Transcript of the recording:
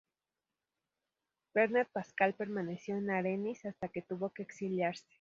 Bernat Pasqual permaneció en Arenys hasta que tuvo que exiliarse.